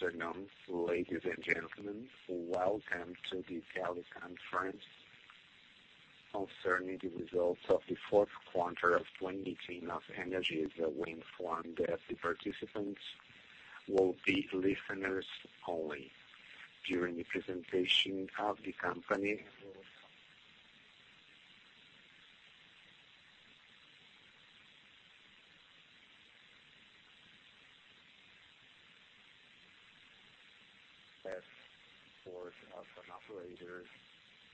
Good afternoon, ladies and gentlemen. Welcome to the teleconference concerning the results of the fourth quarter of 2018 of Energisa. We inform that the participants will be listeners only during the presentation of the company. Support of an operator.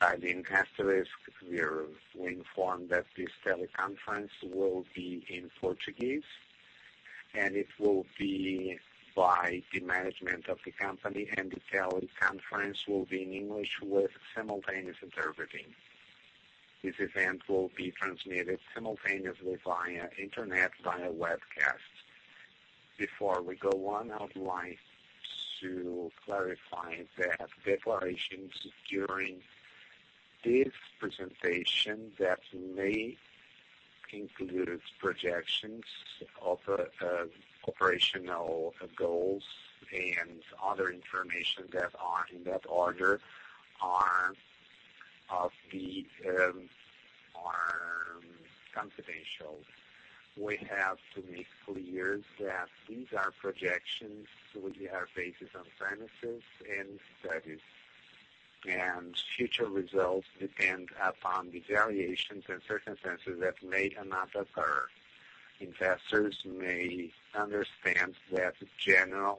Adding asterisk, we inform that this teleconference will be in Portuguese, and it will be by the management of the company, and the teleconference will be in English with simultaneous interpreting. This event will be transmitted simultaneously via internet, via webcast. Before we go on, I would like to clarify that declarations during this presentation that may include projections of operational goals and other information that are in that order are confidential. We have to make clear that these are projections which are based on premises and studies, and future results depend upon the variations and circumstances that may or may not occur. Investors may understand that general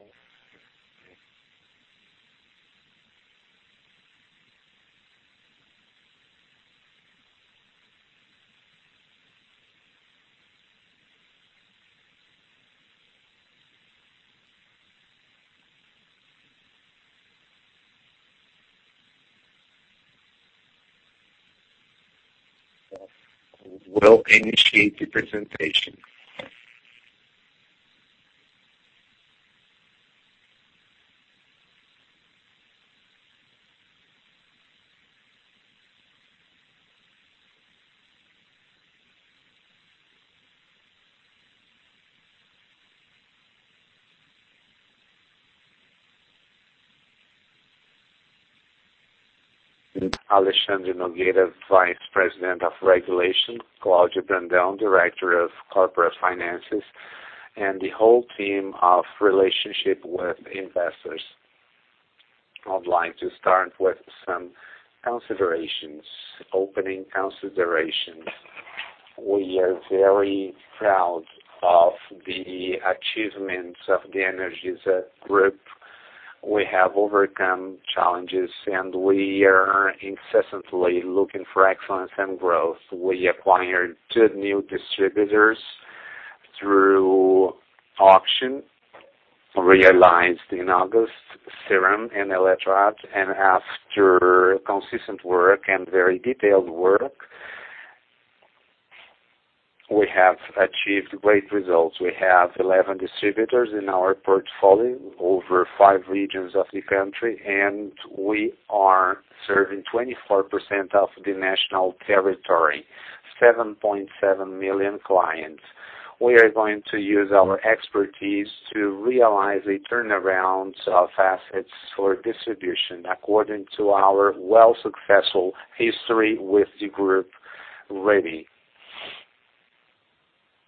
We'll initiate the presentation. Alexandre Nogueira, Vice President of Regulation, Claudio Brandão, Director of Corporate Finances, and the whole team of relationship with investors. I'd like to start with some opening considerations. We are very proud of the achievements of the Energisa group. We have overcome challenges, and we are incessantly looking for excellence and growth. We acquired two new distributors through auction realized in August, Ceron and Eletroacre, and after consistent work and very detailed work, we have achieved great results. We have 11 distributors in our portfolio over five regions of the country, and we are serving 24% of the national territory, 7.7 million clients. We are going to use our expertise to realize a turnaround of assets for distribution according to our well successful history with the group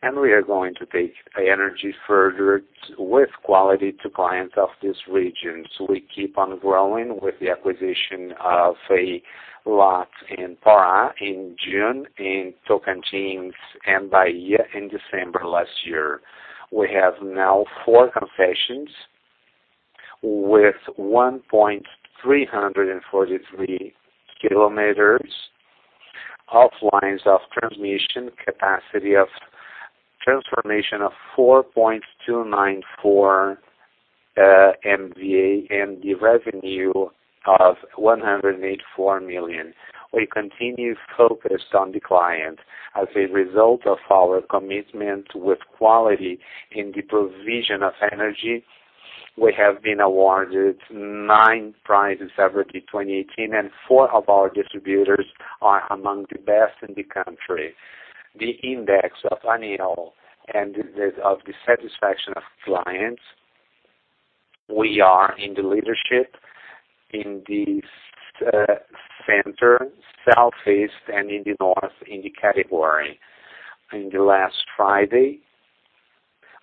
ready. We are going to take energy further with quality to clients of these regions. We keep on growing with the acquisition of a lot in Pará in June, in Tocantins and Bahia in December last year. We have now four concessions with 1,343 kilometers of lines of transmission, capacity of transformation of 4.294 MVA, and the revenue of 184 million. We continue focused on the client. As a result of our commitment with quality in the provision of energy, we have been awarded nine prizes over 2018, and four of our distributors are among the best in the country. The index of ANEEL and of the satisfaction of clients, we are in the leadership in the center, southeast, and in the north in the category. In the last Friday,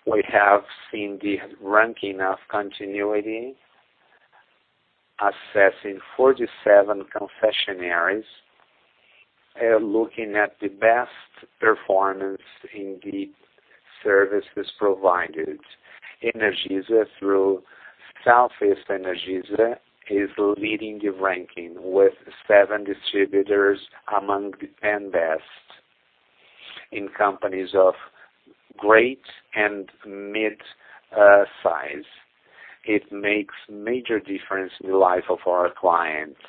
we have seen the ranking of continuity assessing 47 concessionaires, looking at the best performance in the services provided. Energisa, through Energisa Sul-Sudeste, is leading the ranking with seven distributors among the 10 best in companies of great and mid size. It makes major difference in the life of our clients.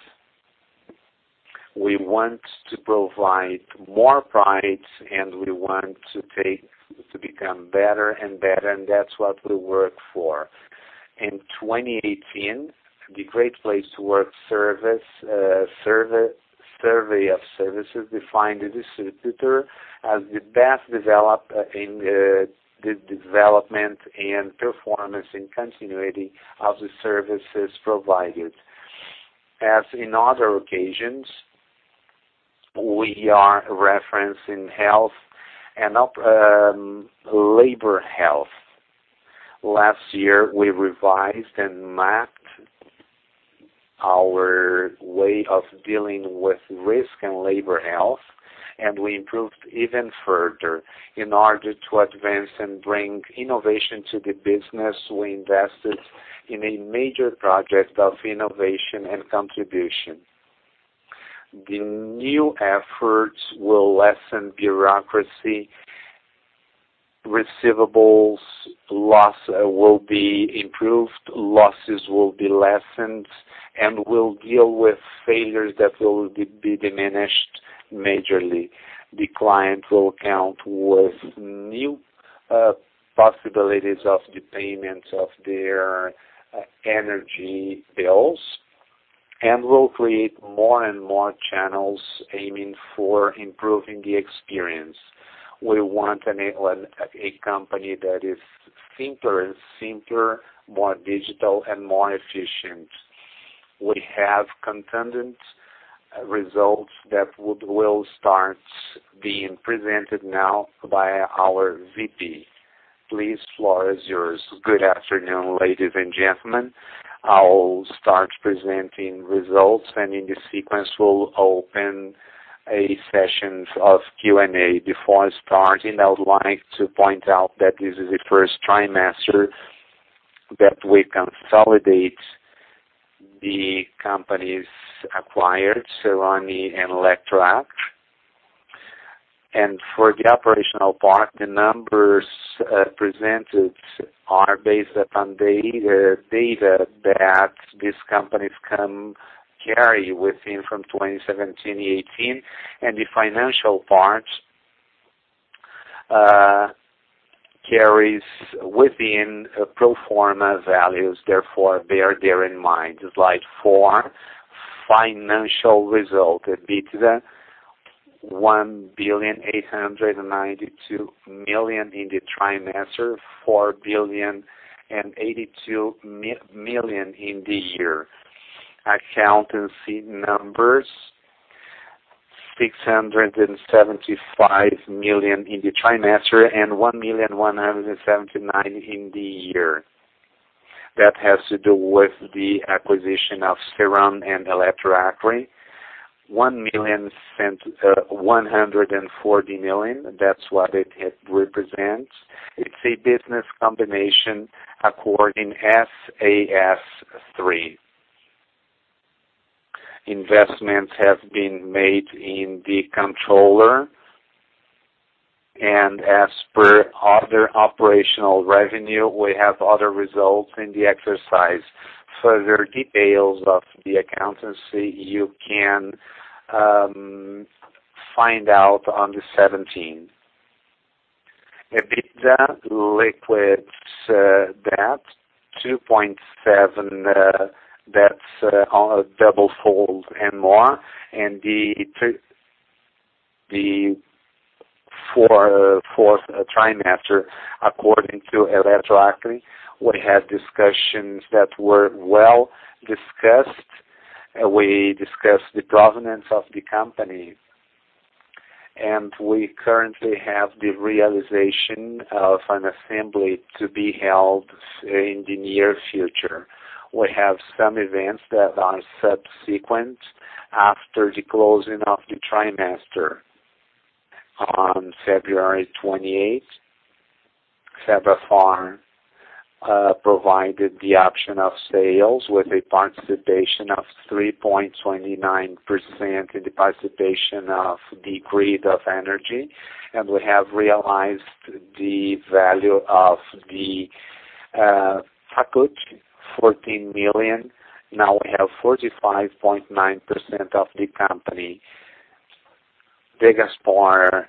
We want to provide more products, and we want to become better and better, and that's what we work for. In 2018, the Great Place to Work survey defined the distributor as the best in the development and performance and continuity of the services provided. As in other occasions, we are referenced in health and labor health. Last year, we revised and mapped our way of dealing with risk and labor health, and we improved even further. In order to advance and bring innovation to the business, we invested in a major project of innovation and contribution. The new efforts will lessen bureaucracy, receivables loss will be improved, losses will be lessened, we'll deal with failures that will be diminished majorly. The client will count with new possibilities of the payments of their energy bills, we'll create more and more channels aiming for improving the experience. We want a company that is simpler and simpler, more digital, and more efficient. We have contended results that will start being presented now by our VP. Please, floor is yours. Good afternoon, ladies and gentlemen. I'll start presenting results, in the sequence, we'll open a session of Q&A. Before starting, I would like to point out that this is the first trimester that we consolidate the companies acquired, Ceron and Eletroacre. For the operational part, the numbers presented are based upon the data that these companies carry within from 2017, 2018, the financial part carries within pro forma values, therefore bear therein mind. Slide 4, financial result. EBITDA, 1,892,000,000 in the trimester, 4,082,000,000 in the year. Accountancy numbers, 675,000,000 in the trimester and 1,179,000,000 in the year. That has to do with the acquisition of Ceron and Eletroacre. 140,000,000, that's what it represents. It's a business combination according SAS3. Investments have been made in the controller, as per other operational revenue, we have other results in the exercise. Further details of the accountancy, you can find out on the 17. EBITDA liquid debt, 2.7x. That's double fold and more. The 4th trimester, according to Eletroacre, we had discussions that were well discussed. We discussed the provenance of the company, we currently have the realization of an assembly to be held in the near future. We have some events that are subsequent after the closing of the trimester. On February 28th, Cevafarm provided the option of sales with a participation of 3.29% in the participation of the grid of energy, we have realized the value of the Facut, 14,000,000. Now we have 45.9% of the company. Degaspar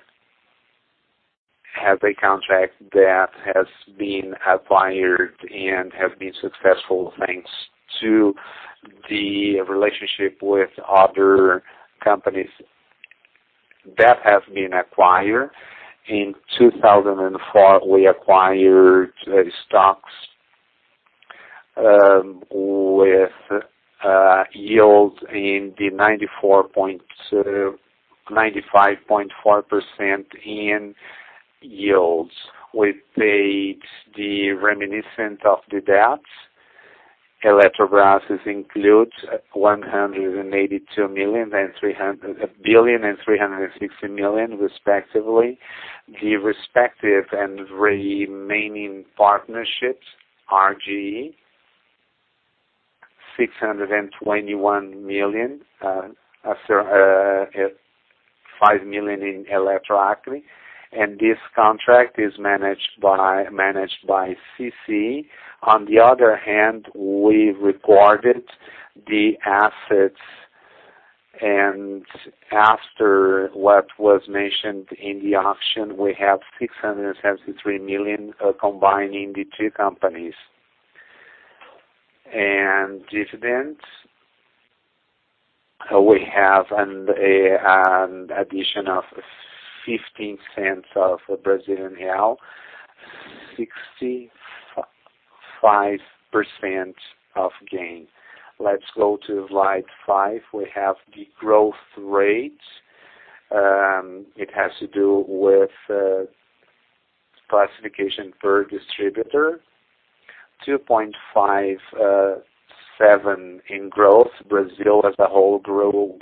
has a contract that has been acquired has been successful, thanks to the relationship with other companies that have been acquired. In 2004, we acquired stocks with yield in the 95.4% in yields. We paid the reminiscent of the debts. Eletrobras includes BRL 1,360,000,000 respectively. The respective and remaining partnerships, RGE, 621,000,000. 5 million in Eletroacre, this contract is managed by CCEE. On the other hand, we've recorded the assets, after what was mentioned in the auction, we have 673,000,000 combining the two companies. Dividends. We have an addition of 0.15 of Brazilian real, 65% of gain. Let's go to Slide 5. We have the growth rate. It has to do with classification per distributor, 2.57% in growth. Brazil as a whole grew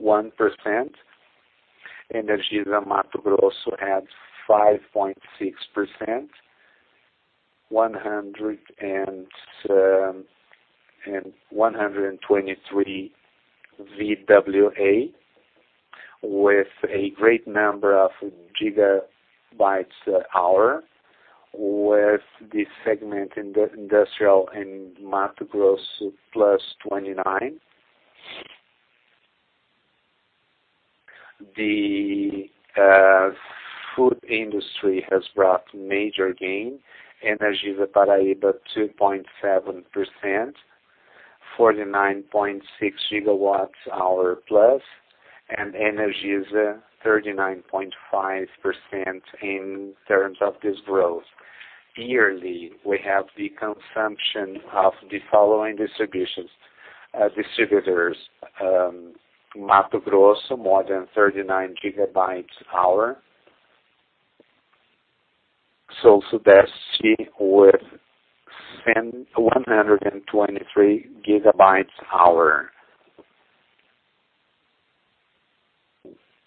1%. Energisa Mato Grosso had 5.6%, 123 MVA, with a great number of gigawatt-hours, with the segment industrial in Mato Grosso +29%. The food industry has brought major gain. Energisa Paraíba 2.7%, 49.6 gigawatt-hours plus, Energisa 39.5% in terms of this growth. Yearly, we have the consumption of the following distributors. Energisa Mato Grosso, more than 39 gigawatt-hours. Energisa Sul-Sudeste with 123 gigawatt-hours.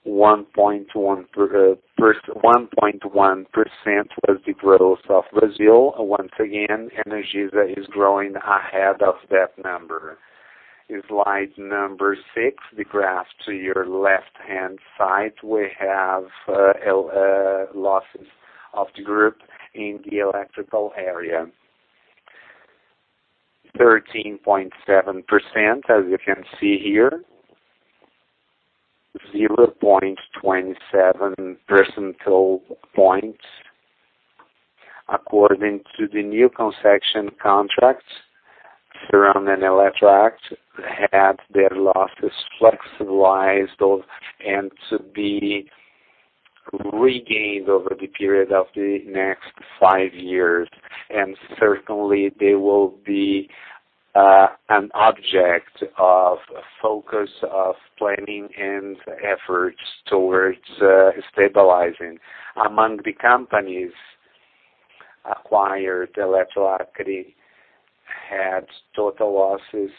1.1% was the growth of Brazil. Once again, Energisa is growing ahead of that number. In slide number six, the graph to your left-hand side, we have losses of the group in the electrical area. 13.7%, as you can see here. 0.27 percentile points. According to the new concession contracts, Ceron and Eletroacre had their losses flexibilized and to be regained over the period of the next five years. Certainly they will be an object of focus of planning and efforts towards stabilizing. Among the companies acquired, Eletroacre had total losses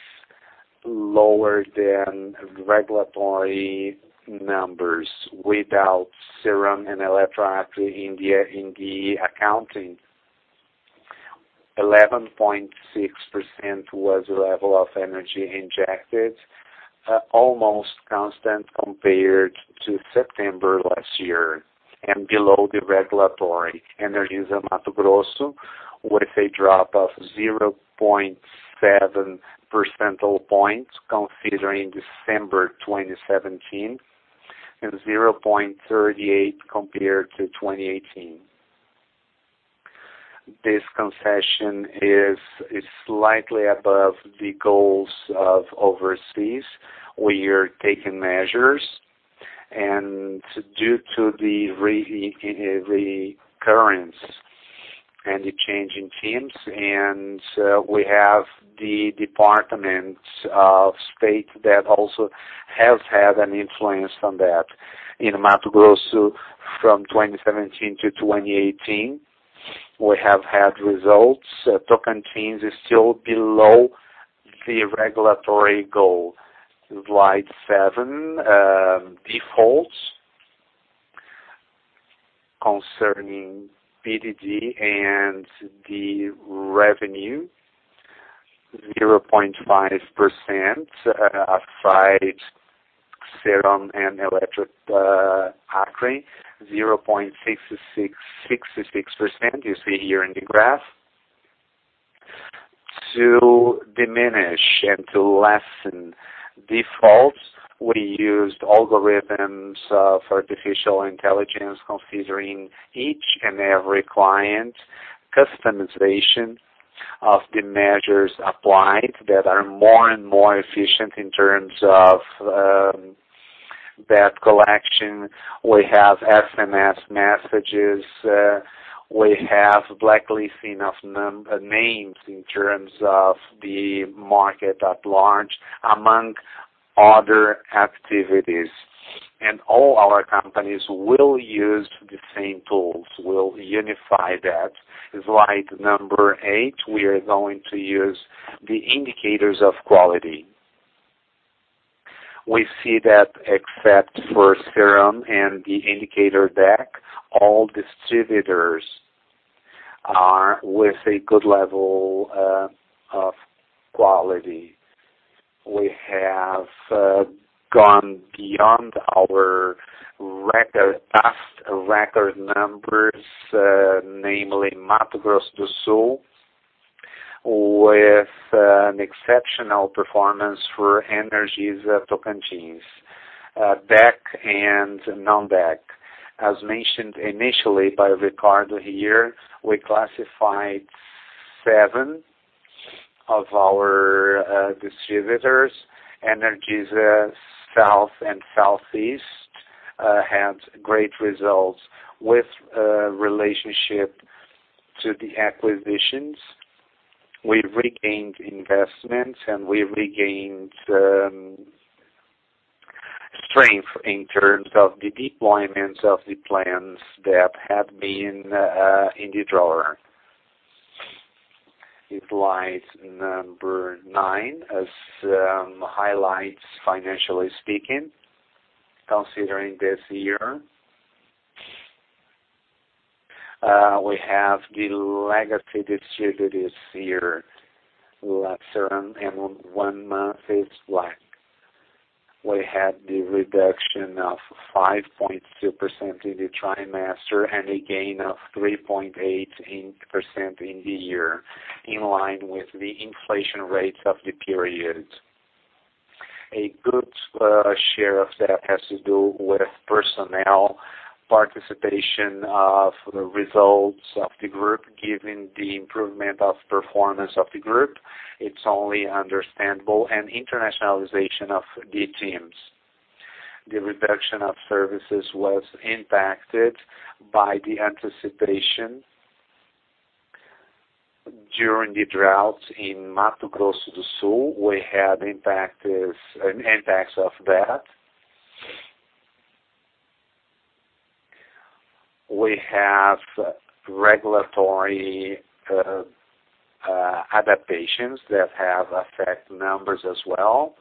lower than regulatory numbers without Ceron and Eletroacre in the accounting. 11.6% was the level of energy injected, almost constant compared to September last year, and below the regulatory. Energisa Mato Grosso, with a drop of 0.7 percentile points considering December 2017 and 0.38 compared to 2018. This concession is slightly above the goals of overseas. We are taking measures. Due to the recurrence and the change in teams, we have the Department of State that also has had an influence on that. In Mato Grosso from 2017 to 2018, we have had results. Tocantins is still below the regulatory goal. Slide seven, defaults concerning PDD and the revenue, 0.5%, aside Ceron and Eletroacre, 0.66%. You see here in the graph. To diminish and to lessen defaults, we used algorithms of artificial intelligence considering each and every client, customization of the measures applied that are more and more efficient in terms of debt collection. We have SMS messages. We have blacklisting of names in terms of the market at large, among other activities. All our companies will use the same tools. We'll unify that. Slide number eight, we are going to use the indicators of quality. We see that except for Ceron and the indicator DEC, all distributors are with a good level of quality. We have gone beyond our past record numbers, namely Mato Grosso do Sul, with an exceptional performance for Energisa Tocantins. FEC and non-FEC. As mentioned initially by Ricardo here, we classified seven of our distributors. Energisa Sul-Sudeste had great results with relationship to the acquisitions. We regained investments and we regained strength in terms of the deployments of the plans that had been in the drawer. Slide number nine highlights, financially speaking, considering this year. We have the legacy distributor this year, Ceron, and one month is black. We had the reduction of 5.2% in the trimester and a gain of 3.8% in the year, in line with the inflation rates of the period. A good share of that has to do with personnel participation of the results of the group. Given the improvement of performance of the group, it's only understandable. Internationalization of the teams. The reduction of services was impacted by the anticipation during the drought in Mato Grosso do Sul. We had impacts of that. We have regulatory adaptations that have affect numbers as well.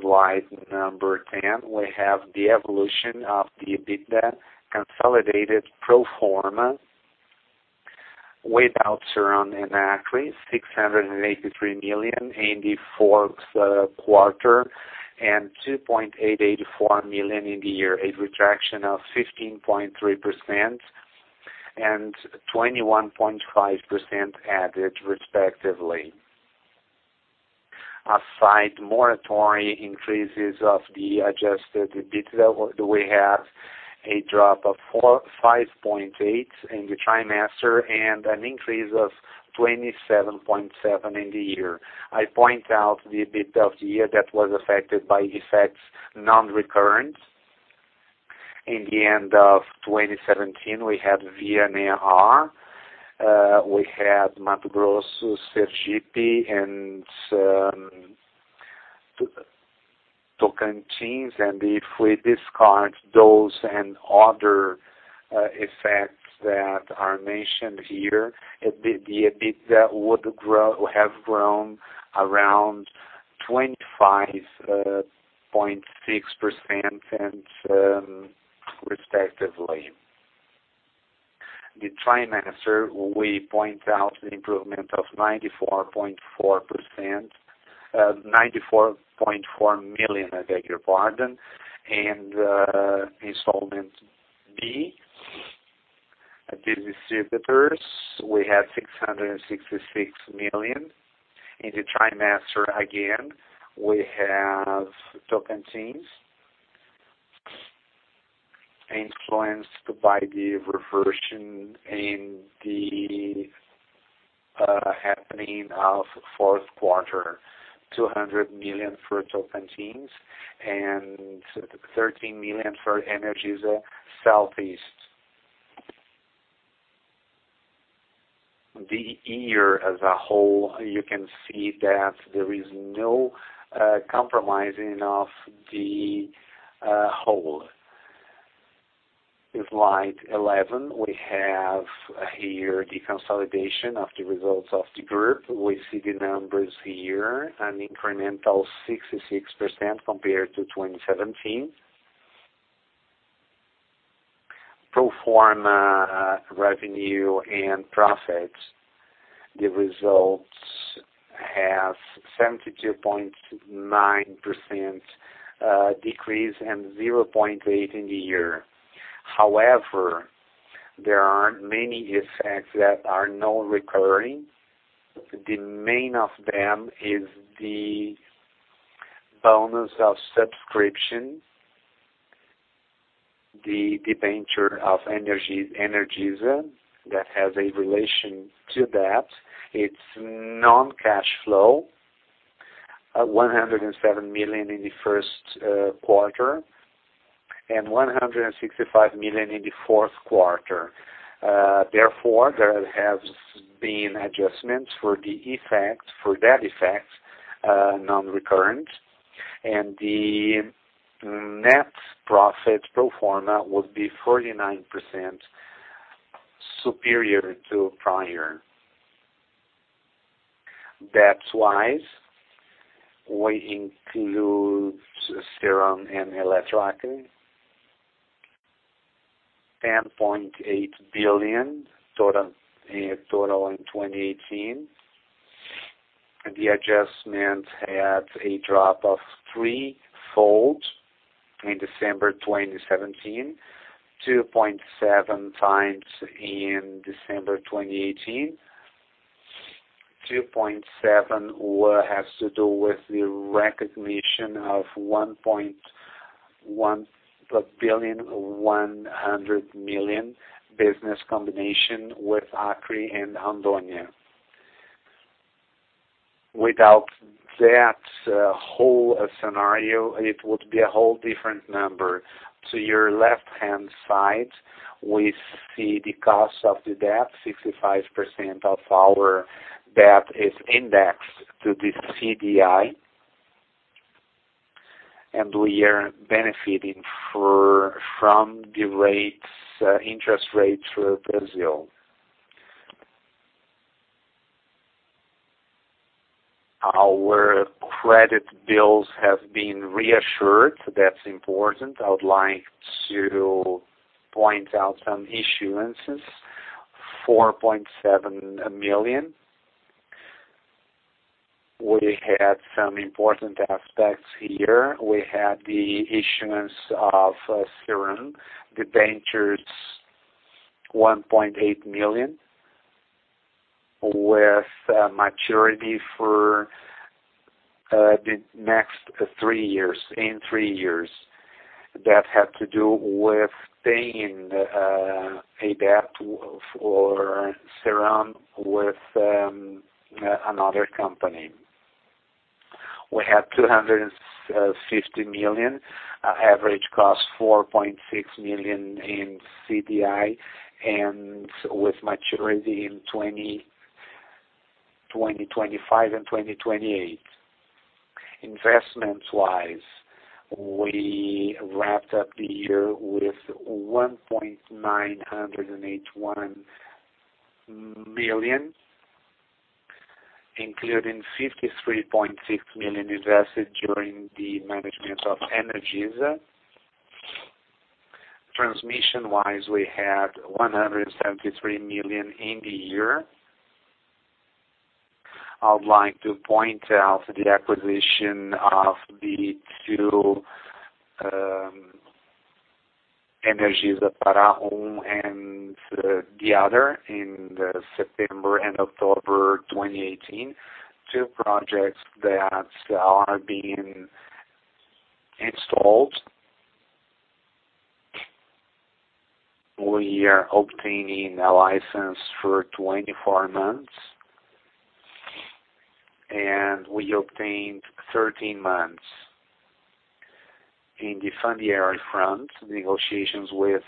Slide number 10, we have the evolution of the EBITDA-consolidated pro forma without Ceron and Eletroacre, 683 million in the fourth quarter and 2.884 million in the year. A retraction of 15.3% and 21.5% added, respectively. Aside moratory increases of the adjusted EBITDA, we have a drop of 5.8% in the trimester, and an increase of 27.7% in the year. I point out the EBITDA of the year that was affected by effects non-recurrent. In the end of 2017, we had VNR. We had Mato Grosso, Sergipe, and Tocantins. If we discard those and other effects that are mentioned here, the EBITDA would have grown around 25.6% respectively. The trimester, we point out an improvement of 94.4 million, I beg your pardon, and installment B at the distributors, we had 666 million. In the trimester, again, we have Tocantins influenced by the reversion in the happening of fourth quarter, 200 million for Tocantins and 13 million for Energisa Sul-Sudeste. The year as a whole, you can see that there is no compromising of the whole. Slide 11, we have here the consolidation of the results of the group. We see the numbers here, an incremental 66% compared to 2017. Pro forma revenue and profits, the results have 72.9% decrease and 0.8% in the year. There are many effects that are non-recurring. The main of them is the bonus of subscription, the debenture of Energisa that has a relation to that. It's non-cash flow, 107 million in the first quarter and 165 million in the fourth quarter. There has been adjustments for that effect non-recurrent, and the net profit pro forma would be 49% superior to prior. Debt-wise, we include Ceron and Eletroacre, 10.8 billion total in 2018. The adjustment had a drop of threefold in December 2017, 2.7 times in December 2018. 2.7 has to do with the recognition of 1.1 billion, 100 million business combination with Acre and Amadora. Without that whole scenario, it would be a whole different number. Your left-hand side, we see the cost of the debt, 65% of our debt is indexed to the CDI, and we are benefiting from the interest rates for Brazil. Our credit bills have been reassured. That's important. I would like to point out some issuances, 4.7 million. We had some important aspects here. We had the issuance of Ceron debentures, BRL 1.8 million, with maturity for the next three years, in three years. That had to do with paying a debt for Ceron with another company. We have 250 million, average cost 4.6 million in CDI, and with maturity in 2025 and 2028. Investment-wise, we wrapped up the year with 1.981 million, including 53.6 million invested during the management of Energisa. Transmission-wise, we had 173 million in the year. I would like to point out the acquisition of the two, Energisa Pará and the other in September and October 2018. Two projects that are being installed. We are obtaining a license for 24 months, and we obtained 13 months. In the fund area front, negotiations with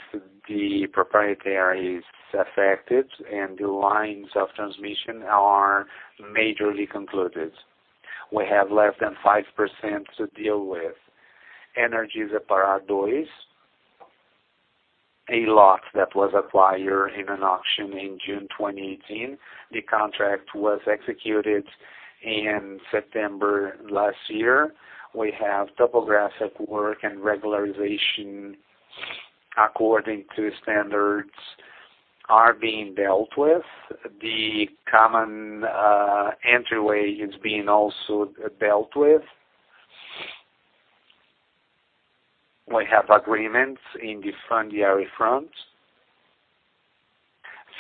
the proprietaries affected, and the lines of transmission are majorly concluded. We have less than 5% to deal with. Energisa Pará 2, a lot that was acquired in an auction in June 2018. The contract was executed in September last year. We have topographic work and regularization according to standards are being dealt with. The common entryway is being also dealt with. We have agreements in the fund area front.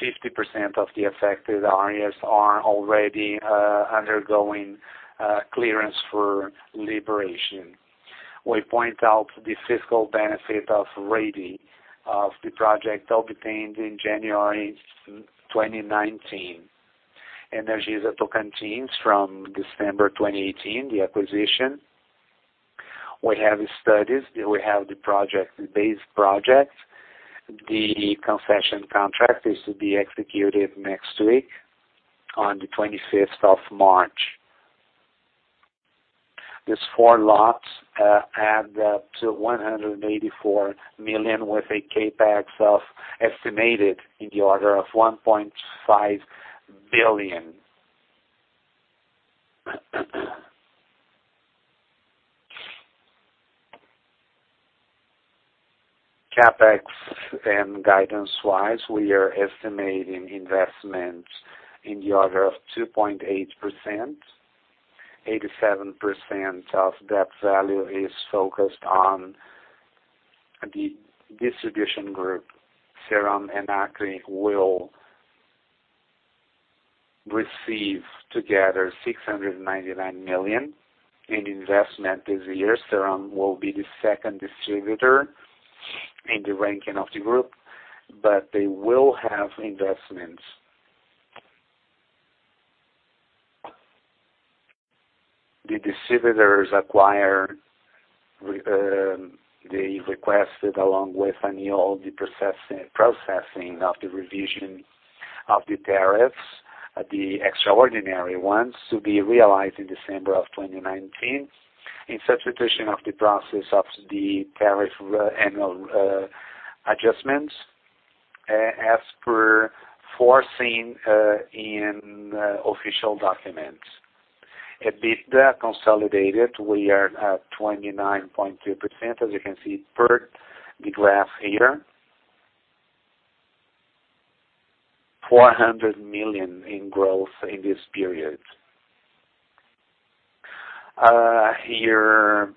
50% of the affected areas are already undergoing clearance for liberation. We point out the fiscal benefit of REIDI, of the project obtained in January 2019. Energisa Tocantins from December 2018, the acquisition. We have the studies, we have the base project. The concession contract is to be executed next week, on the 25th of March. These four lots add up to 184 million, with a CapEx of estimated in the order of 1.5 billion. CapEx and guidance-wise, we are estimating investment in the order of 2.8%. 87% of that value is focused on the distribution group. Ceron and Eletroacre will receive together 699 million in investment this year. Ceron will be the second distributor in the ranking of the group, but they will have investments. The distributors acquire, they requested, along with ANEEL, the processing of the revision of the tariffs, the extraordinary ones, to be realized in December 2019, in substitution of the process of the tariff annual adjustments, as foreseen in official documents. EBITDA consolidated, we are at 29.2%, as you can see per the graph here. 400 million in growth in this period. Here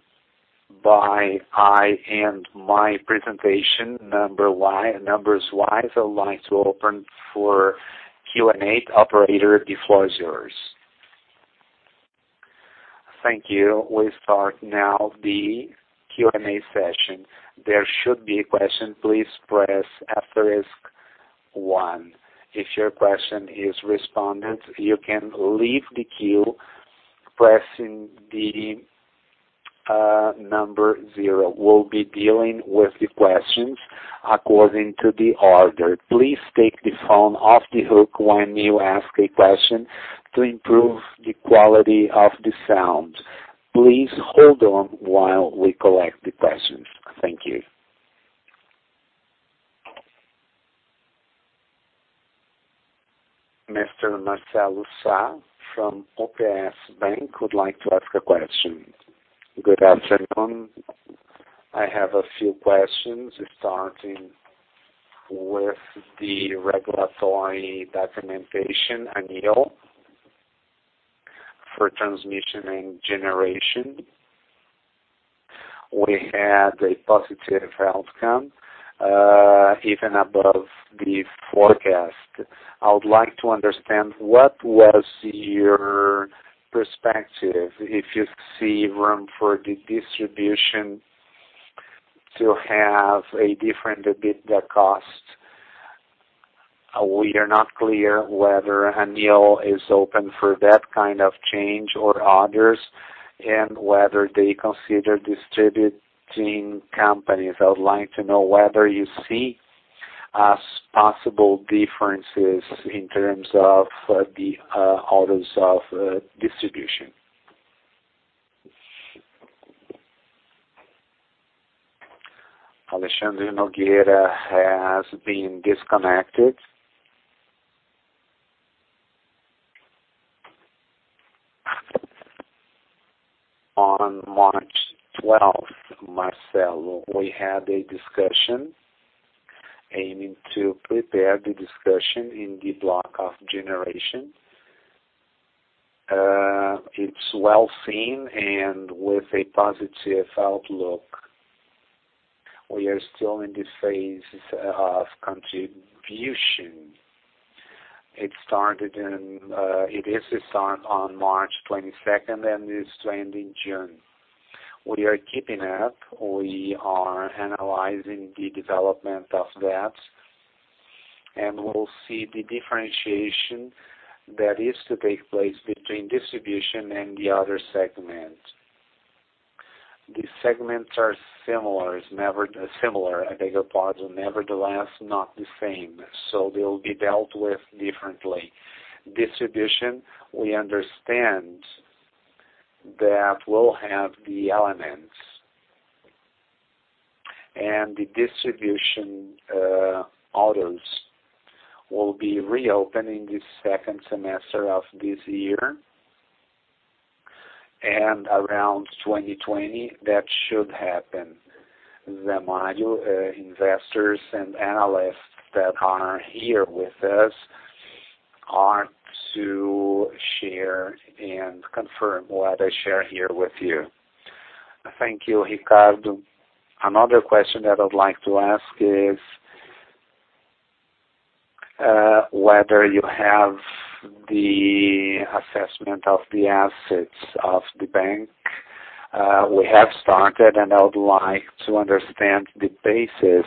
by I end my presentation numbers-wise. I would like to open for Q&A. Operator, the floor is yours. Thank you. We start now the Q&A session. There should be a question, please press asterisk one. If your question is responded, you can leave the queue pressing the number zero. We will be dealing with the questions according to the order. Please take the phone off the hook when you ask a question to improve the quality of the sound. Please hold on while we collect the questions. Thank you. Mr. Marcelo Sá from UBS Bank would like to ask a question. Good afternoon. I have a few questions starting with the regulatory documentation, ANEEL, for transmission and generation. We had a positive outcome, even above the forecast. I would like to understand what was your perspective if you see room for the distribution to have a different EBITDA cost. We are not clear whether ANEEL is open for that kind of change or others, and whether they consider distributing companies. I would like to know whether you see as possible differences in terms of the orders of distribution. Alexandre Nogueira has been disconnected. On March 12th, Marcelo, we had a discussion aiming to prepare the discussion in the block of generation. It is well seen and with a positive outlook. We are still in the phase of contribution. It is to start on March 22nd and is to end in June. We are keeping up. We are analyzing the development of that, and we will see the differentiation that is to take place between distribution and the other segments. The segments are similar, Energisa, nevertheless, not the same. They will be dealt with differently. Distribution, we understand that will have the elements. The distribution orders will be reopening the second semester of this year, and around 2020, that should happen. The module investors and analysts that are here with us are to share and confirm what I share here with you. Thank you, Ricardo. Another question that I would like to ask is, whether you have the assessment of the assets of the bank. We have started, and I would like to understand the basis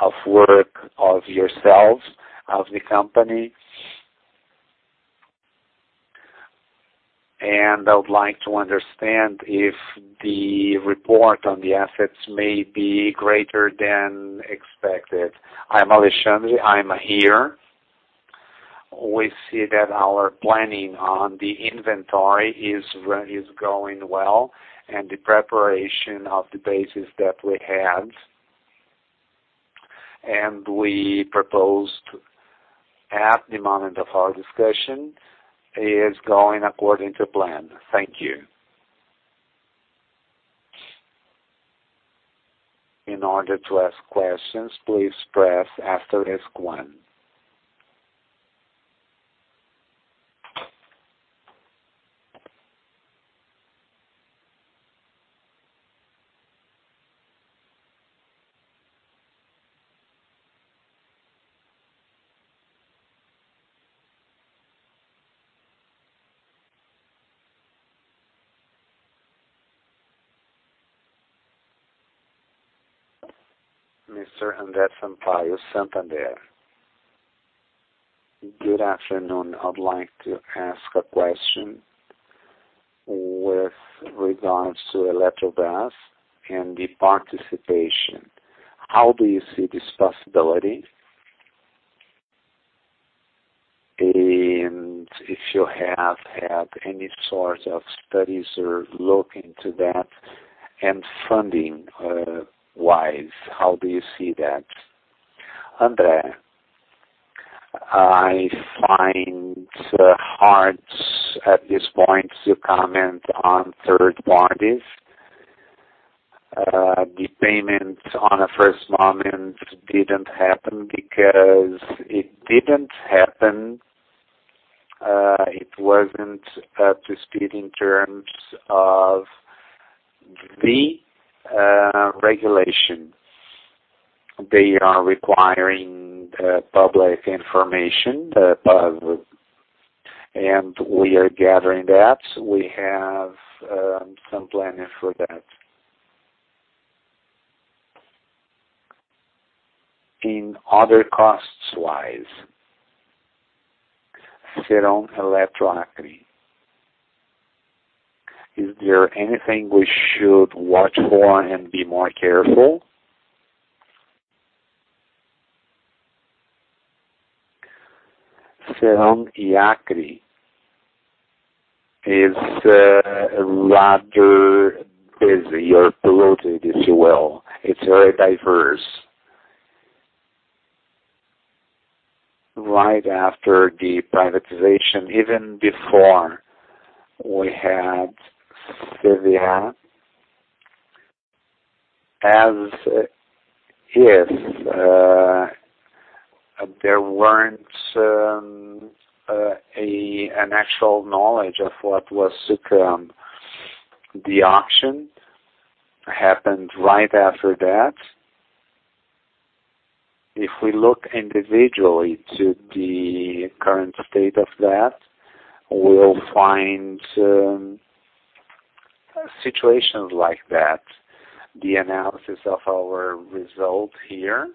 of work of yourselves, of the company. I would like to understand if the report on the assets may be greater than expected. I am Alexandre. I am here. We see that our planning on the inventory is going well, and the preparation of the basis that we had, and we proposed at the moment of our discussion, is going according to plan. Thank you. In order to ask questions, please press asterisk one. Mr. Andre Sampaio, Santander. Good afternoon. I would like to ask a question with regards to Eletrobras and the participation. How do you see this possibility? If you have had any sort of studies or look into that and funding-wise, how do you see that? Andre, I find hard at this point to comment on third parties. The payment on a first moment didn't happen because it wasn't up to speed in terms of the regulation. They are requiring public information, and we are gathering that. We have some planning for that. In other costs-wise, Ceron Eletroacre, is there anything we should watch for and be more careful? Ceron Eletroacre is rather busy or polluted, if you will. It's very diverse. Right after the privatization, even before we had Sevilla, as if there weren't an actual knowledge of what was to come. The auction happened right after that. If we look individually to the current state of that, we'll find situations like that, the analysis of our result here.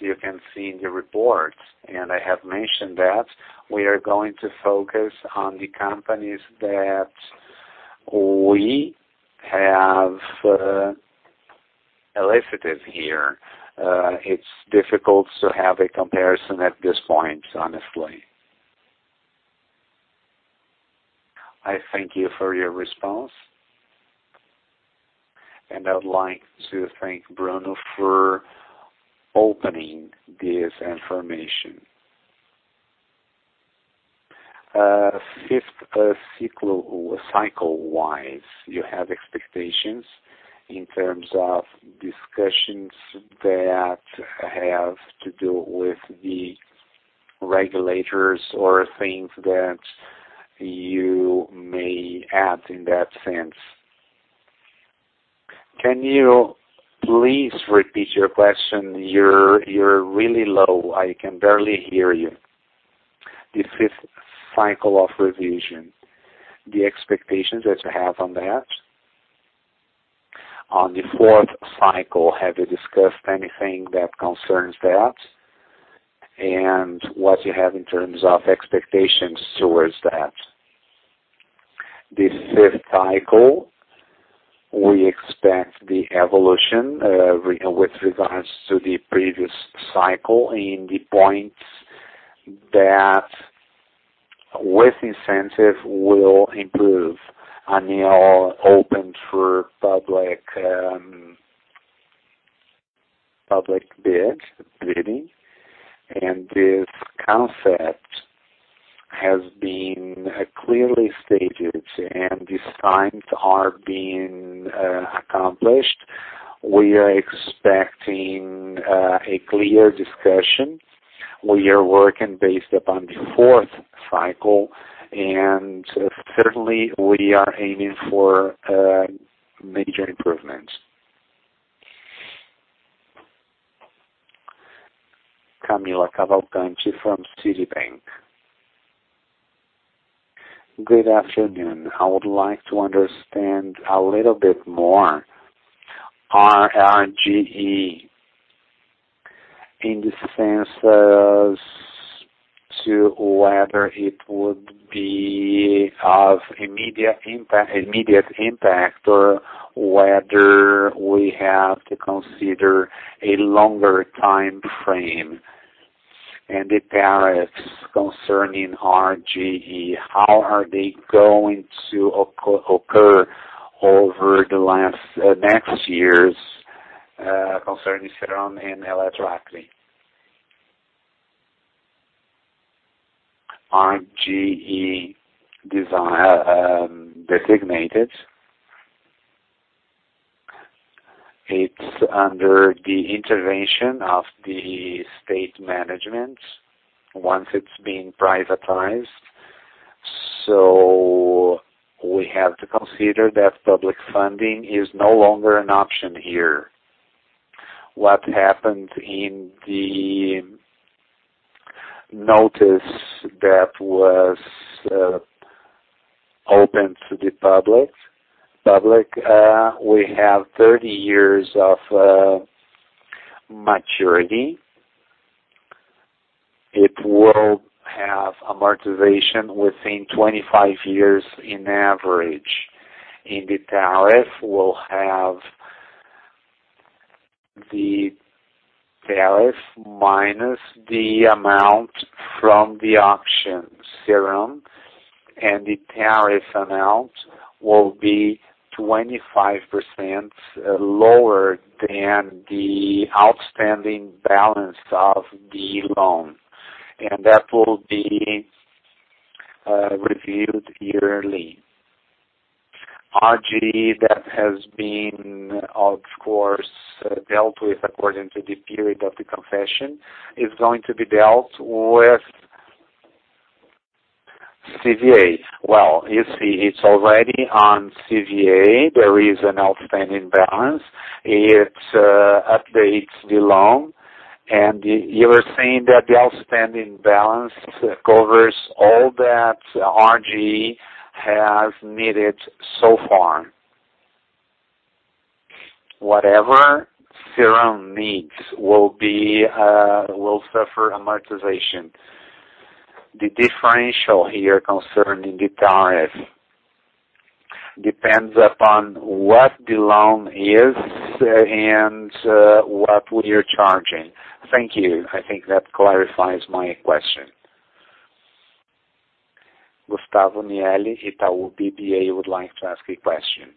You can see in the report, I have mentioned that we are going to focus on the companies that we have listed here. It's difficult to have a comparison at this point, honestly. I thank you for your response. I would like to thank Brandão for opening this information. Cycle-wise, you have expectations in terms of discussions that have to do with the regulators or things that you may add in that sense. Can you please repeat your question? You're really low. I can barely hear you. The fifth cycle of revision, the expectations that you have on that? On the fourth cycle, have you discussed anything that concerns that, and what you have in terms of expectations towards that? The fifth cycle, we expect the evolution, with regards to the previous cycle in the points that with incentive will improve and be open for public bid. This concept has been clearly stated, these times are being accomplished. We are expecting a clear discussion. We are working based upon the fourth cycle, certainly, we are aiming for major improvements. Camila Cavalcanti from Citibank. Good afternoon. I would like to understand a little bit more RGE in the senses to whether it would be of immediate impact, or whether we have to consider a longer time frame. The tariffs concerning RGE, how are they going to occur over the next years, concerning Ceron and Eletroacre? RGE designated. It's under the intervention of the state management once it's been privatized. We have to consider that public funding is no longer an option here. What happened in the notice that was open to the public, we have 30 years of maturity. It will have amortization within 25 years on average. In the tariff, we'll have the tariff minus the amount from the auction, Ceron, and the tariff amount will be 25% lower than the outstanding balance of the loan. That will be reviewed yearly. RGE that has been, of course, dealt with according to the period of the concession, is going to be dealt with CVA. Well, you see it's already on CVA. There is an outstanding balance. It updates the loan, and you are saying that the outstanding balance covers all that RGE has needed so far. Whatever Ceron needs will suffer amortization. The differential here concerning the tariff depends upon what the loan is and what we are charging. Thank you. I think that clarifies my question. Gustavo Nieli, Itaú BBA, would like to ask a question.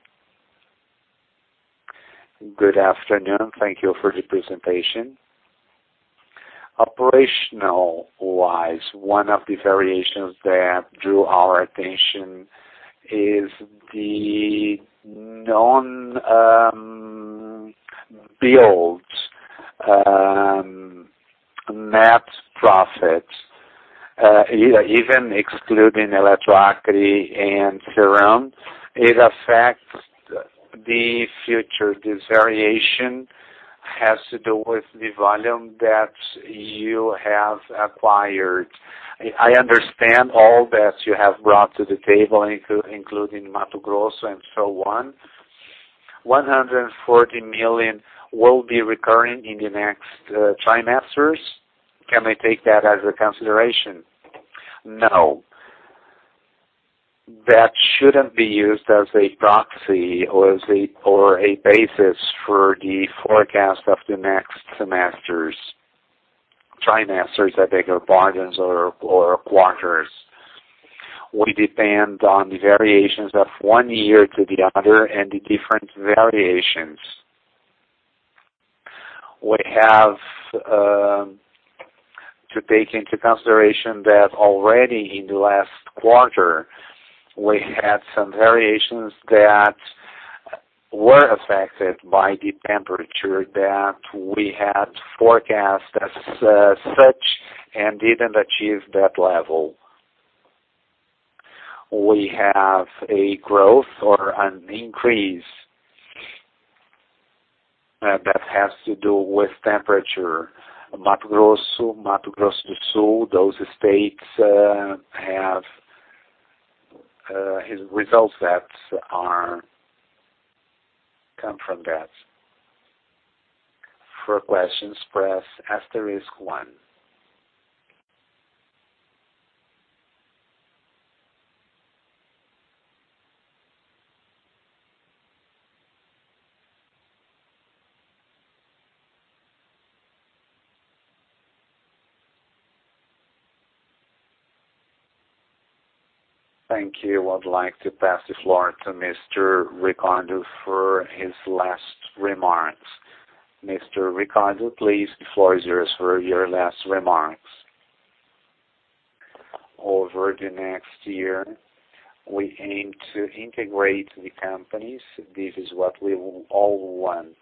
Good afternoon. Thank you for the presentation. Operational-wise, one of the variations that drew our attention is the non-build net profit, even excluding Eletroacre and Ceron, it affects the future. This variation has to do with the volume that you have acquired. I understand all that you have brought to the table, including Mato Grosso and so on. 140 million will be recurring in the next trimesters. Can I take that as a consideration? No. That shouldn't be used as a proxy or a basis for the forecast of the next trimesters. Trimesters are bigger bargains or quarters. We depend on the variations of one year to the other and the different variations. We have to take into consideration that already in the last quarter, we had some variations that were affected by the temperature that we had forecast as such and didn't achieve that level. We have a growth or an increase that has to do with temperature. Mato Grosso, Mato Grosso do Sul, those states have results that come from that. For questions, press asterisk one. Thank you. I'd like to pass the floor to Mr. Ricardo for his last remarks. Mr. Ricardo, please, the floor is yours for your last remarks. Over the next year, we aim to integrate the companies. This is what we all want.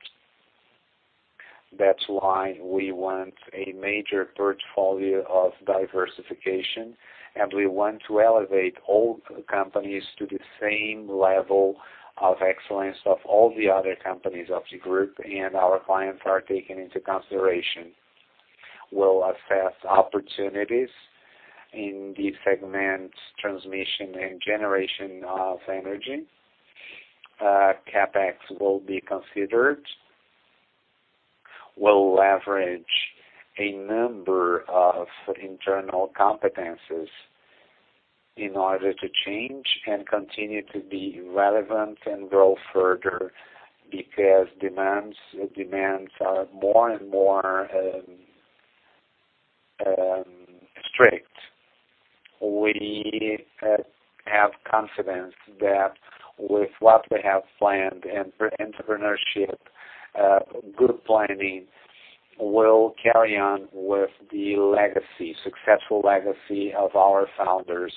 That's why we want a major portfolio of diversification, and we want to elevate all companies to the same level of excellence of all the other companies of the group, and our clients are taken into consideration. We'll assess opportunities in the segment transmission and generation of energy. CapEx will be considered. We'll leverage a number of internal competencies in order to change and continue to be relevant and grow further because demands are more and more strict. We have confidence that with what we have planned and entrepreneurship, good planning will carry on with the successful legacy of our founders.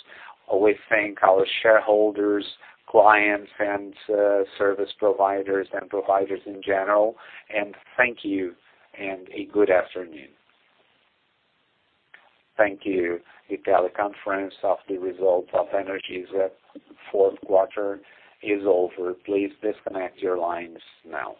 We thank our shareholders, clients, and service providers and providers in general, and thank you, and a good afternoon. Thank you. The teleconference of the results of Energisa fourth quarter is over. Please disconnect your lines now.